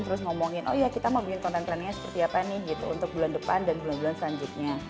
terus ngomongin oh iya kita mau bikin konten trendnya seperti apa nih gitu untuk bulan depan dan bulan bulan selanjutnya